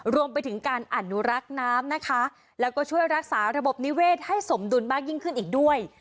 รวมไปถึงการอนุรักษ์น้ำนะคะแล้วก็ช่วยรักษาระบบนิเวศให้สมดุลมากยิ่งขึ้นอีกด้วย